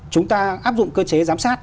chúng ta áp dụng cơ chế giám sát